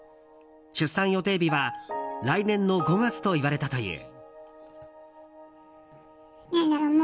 出産予定日は来年の５月と言われたという。